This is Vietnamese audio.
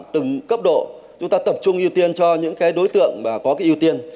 từng cấp độ chúng ta tập trung ưu tiên cho những cái đối tượng mà có cái ưu tiên